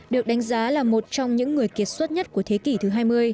được đánh giá là một trong những người kiệt xuất nhất của thế kỷ thứ hai mươi